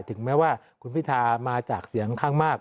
ถึงแม้ว่าคุณพิธามาจากเสียงข้างมาก